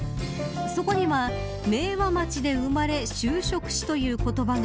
そこには明和町で生まれ就職し、という言葉が。